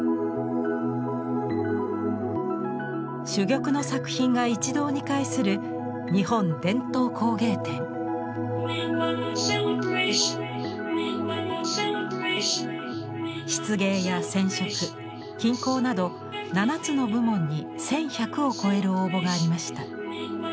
珠玉の作品が一堂に会する漆芸や染織金工など７つの部門に１，１００を超える応募がありました。